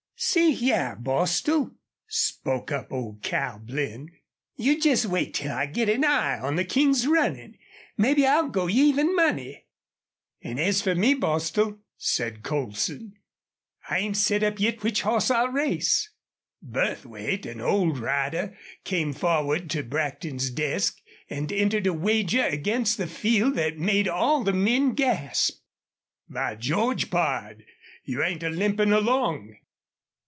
"See hyar, Bostil," spoke up old Cal Blinn, "you jest wait till I git an eye on the King's runnin'. Mebbe I'll go you even money." "An' as fer me, Bostil," said Colson, "I ain't set up yit which hoss I'll race." Burthwait, an old rider, came forward to Brackton's desk and entered a wager against the field that made all the men gasp. "By George! pard, you ain't a limpin' along!"